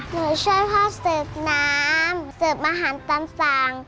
หนูช่วยพ่อสืบน้ำสืบอาหารตามสั่ง